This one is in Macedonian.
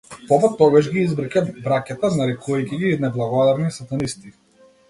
Попот тогаш ги избрка браќата нарекувајќи ги неблагодарни сатанисти.